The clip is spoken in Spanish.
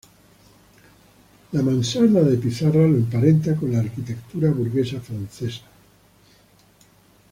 La mansarda de pizarra lo emparenta con la arquitectura burguesa francesa.